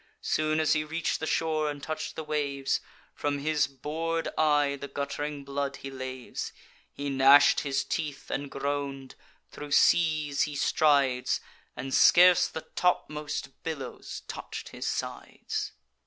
Soon as he reach'd the shore and touch'd the waves, From his bor'd eye the gutt'ring blood he laves: He gnash'd his teeth, and groan'd; thro' seas he strides, And scarce the topmost billows touch'd his sides.